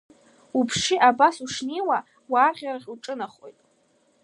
Уԥши, абас ушнеиуа, уарӷьарахь уҿынаухоит.